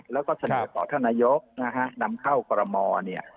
แล้วก็เสนอต่อท่านนายกนะฮะนำเข้ากรมอลเนี่ย